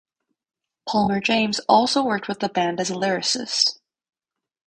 Palmer-James also worked with the band as a lyricist.